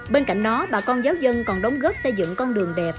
bên cạnh đó bà con giáo dân còn đóng góp xây dựng con đường đẹp